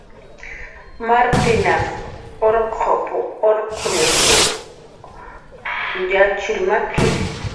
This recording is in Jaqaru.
"Martinaq urkup"" urkrushu yatxir maki"